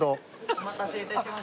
お待たせ致しました。